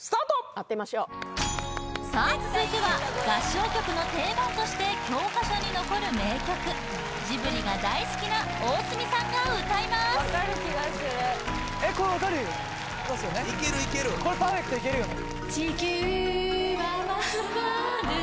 当てましょうさあ続いては合唱曲の定番として教科書に残る名曲ジブリが大好きな大角さんが歌います・分かる気がするいけるいけるこれパーフェクトいけるよね・